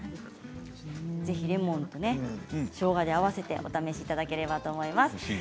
ぜひレモンとしょうがに合わせてお試しいただければと思います。